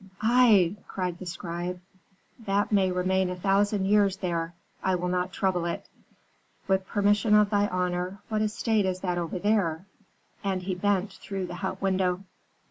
"'Ai!' cried the scribe. 'That may remain a thousand years there; I will not trouble it. With permission of thy honor, what estate is that over there?' and he bent through the hut window.